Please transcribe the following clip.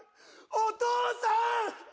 お父さん！